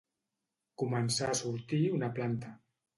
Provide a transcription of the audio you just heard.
Començar a sortir una planta.